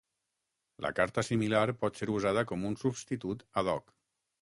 La carta similar pot ser usada com un substitut ad hoc.